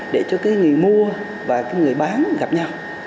để cho người mua và người bán gặp nhau